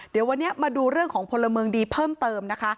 เดี๋ยววันนี้มาดูเรื่องของพลเมืองดีเพิ่มเติมนะคะ